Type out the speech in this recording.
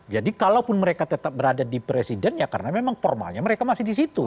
jadi kalaupun mereka tetap berada di presiden ya karena memang formalnya mereka masih di situ